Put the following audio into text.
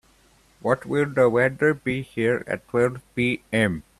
What will the weather be here at twelve P.m.?